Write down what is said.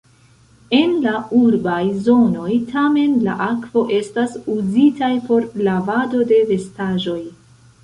En la urbaj zonoj tamen la akvo estas uzitaj por lavado de vestaĵoj.